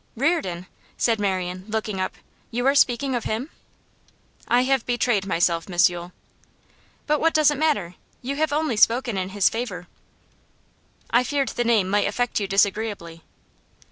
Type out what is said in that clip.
'Reardon?' said Marian, looking up. 'You are speaking of him?' 'I have betrayed myself Miss Yule.' 'But what does it matter? You have only spoken in his favour.' 'I feared the name might affect you disagreeably.